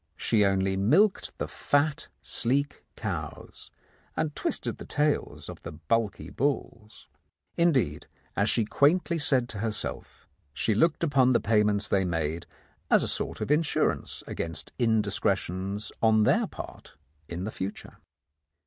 She only milked the fat, sleek cows, and twisted the tails of the bulky bulls. Indeed, as she quaintly said to herself, she looked upon the pay ments they made as a sort of insurance against in discretions on their part in the future.